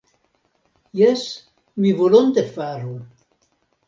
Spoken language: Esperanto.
Jes, mi volonte faru.